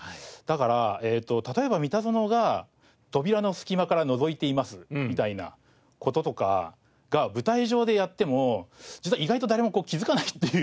だから例えば「三田園が扉の隙間からのぞいています」みたいな事とかが舞台上でやっても実は意外と誰も気づかないっていう。